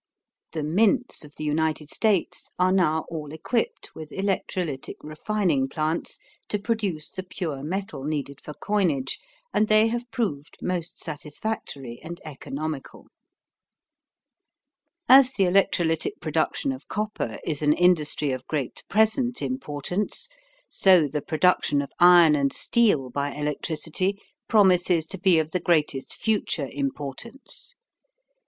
The mints of the United States are now all equipped with electrolytic refining plants to produce the pure metal needed for coinage and they have proved most satisfactory and economical. As the electrolytic production of copper is an industry of great present importance, so the production of iron and steel by electricity promises to be of the greatest future importance.